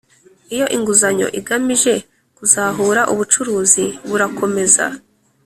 iyo inguzanyo igamije kuzahura ubucuruzi burakomeza